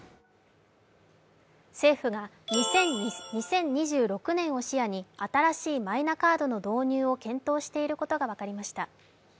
政府が２０２６年を視野に新しいマイナカードの導入を検討していることが分かりました。